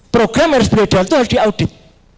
program harus beli data itu harus diaudit